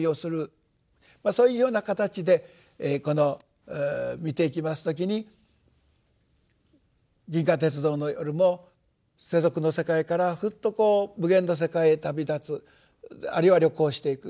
そういうような形で見ていきます時に「銀河鉄道の夜」も世俗の世界からふっと無限の世界へ旅立つあるいは旅行していく